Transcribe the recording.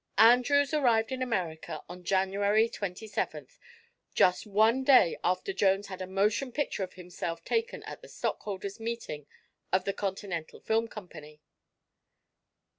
Andrews arrived in America on January twenty seventh, just one day after Jones had a motion picture of himself taken at the stockholders' meeting of the Continental Film Company."